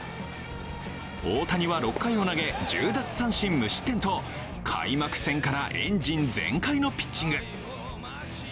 大谷は６回を投げ、１０奪三振、無失点と開幕戦からエンジン全開のピッチング。